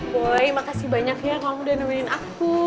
boleh makasih banyak ya kamu udah nemenin aku